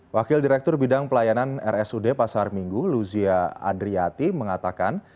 wakil direktur bidang pelayanan rsud pasar minggu luzia adriati mengatakan